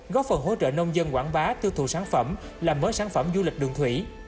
góp phần hỗ trợ nông dân quảng bá tiêu thụ sản phẩm làm mới sản phẩm du lịch đường thủy